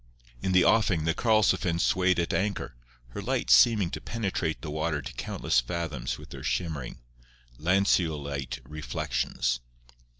In the offing the Karlsefin swayed at anchor, her lights seeming to penetrate the water to countless fathoms with their shimmering, lanceolate reflections.